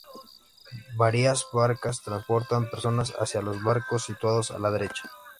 Varias barcas transportan personas hacia los barcos, situados a la derecha.